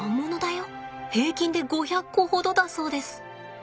平均で５００個ほどだそうです。